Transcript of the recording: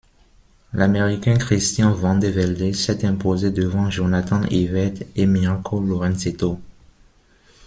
L'Américain Christian Vande Velde s'est imposé devant Jonathan Hivert et Mirco Lorenzetto.